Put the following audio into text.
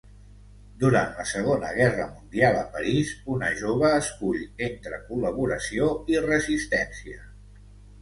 Durant la Segona Guerra mundial a París, una jove escull entre col·laboració i resistència.